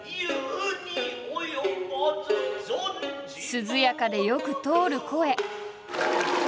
涼やかでよく通る声。